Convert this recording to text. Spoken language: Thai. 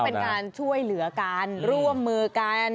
แต่ว่าก็เป็นการช่วยเหลือกันร่วมมือกัน